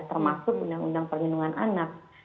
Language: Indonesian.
termasuk undang undang perlindungan anak